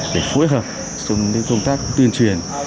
để phối hợp xuống công tác tuyên truyền